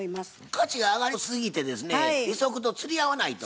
価値が上がりすぎてですね利息と釣り合わないと。